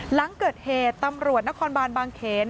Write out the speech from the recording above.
หลังเกิดเหตุตำรวจนครบานบางเขน